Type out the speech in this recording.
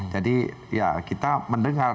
jadi ya kita mendengar